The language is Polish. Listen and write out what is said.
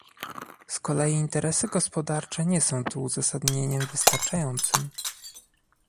Z kolei interesy gospodarcze nie są tu uzasadnieniem wystarczającym